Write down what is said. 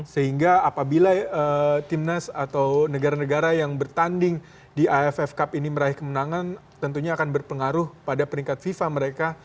sehingga apabila timnas atau negara negara yang bertanding di aff cup ini meraih kemenangan tentunya akan berpengaruh pada peringkat fifa mereka